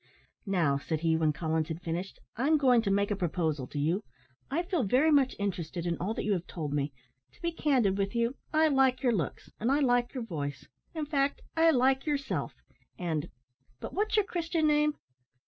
"Now," said he, when Collins had finished, "I'm going to make a proposal to you. I feel very much interested in all that you have told me; to be candid with you, I like your looks, and I like your voice in fact, I like yourself, and but what's your Christian name?"